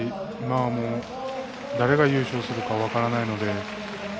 誰が優勝するのか分からない。